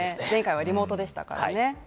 前回はリモートでしたからね。